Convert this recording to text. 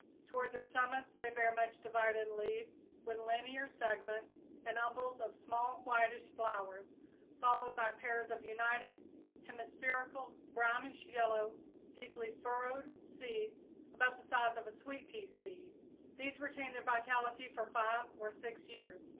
Toward their summits they bear much divided leaves, with linear segments and umbels of small whitish flowers, followed by pairs of united, hemispherical, brownish yellow, deeply furrowed "seeds," about the size of a sweet pea seed. These retain their vitality for five or six years.